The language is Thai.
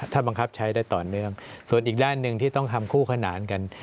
ถ้าบังคับใช้ได้ต่อเนื่องส่วนอีกด้านหนึ่งที่ต้องทำคู่ขนานกัน